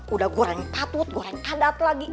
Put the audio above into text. udah goreng patut goreng padat lagi